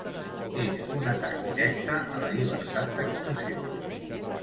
És un atac directe a la llibertat d'expressió.